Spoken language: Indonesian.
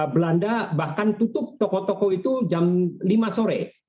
belanda bahkan tutup toko toko itu jam lima sore